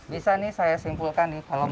bisa nih saya simpulkan nih kalau mau jadi pak ya